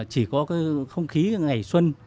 chỉ có cái không khí ngày xuân